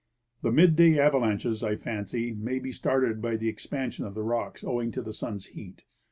The midday avalanches, I fancy, may be started by the expansion of the rocks owing to the sun's heat.